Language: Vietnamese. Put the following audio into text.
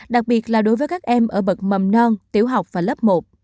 đặc biệt là đối với các em ở bậc mầm non tiểu học và lớp một